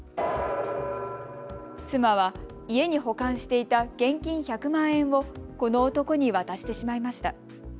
妻は家に保管していた現金１００万円をこの男に渡してしまいました。